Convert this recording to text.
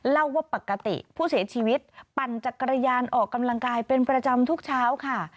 เล่าว่าปกติผู้เสียชีวิตปั่นจักรยานออกกำลังกายเป็นประจำทุกเช้าค่ะ